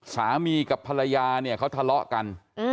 สามีกับภรรยาเนี่ยเขาทะเลาะกัน